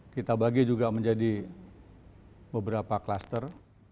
kita bagi juga menjadi beberapa klaster